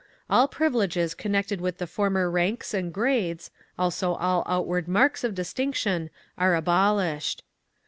All privileges connected with the former ranks and grades, also all outward marks of distinction, are abolished.